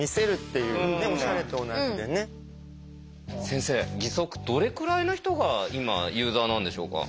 先生義足どれくらいの人が今ユーザーなんでしょうか？